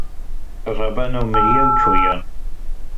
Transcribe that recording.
Rebeno miriye u çûye.